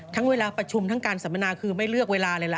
เวลาประชุมทั้งการสัมมนาคือไม่เลือกเวลาเลยล่ะ